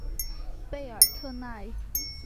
贝尔特奈。